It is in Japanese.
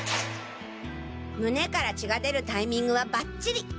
胸から血が出るタイミングはバッチリ！